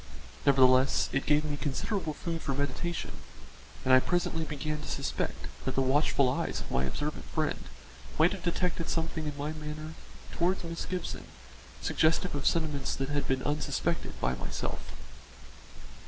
Nevertheless, it gave me considerable food for meditation, and I presently began to suspect that the watchful eyes of my observant friend might have detected something in my manner towards Miss Gibson suggestive of sentiments that had been unsuspected by myself.